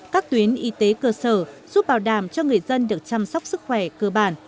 các tuyến y tế cơ sở giúp bảo đảm cho người dân được chăm sóc sức khỏe cơ bản